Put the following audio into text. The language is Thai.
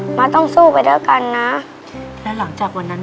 หมอบอกไหมว่ามันเกิดจากอะไร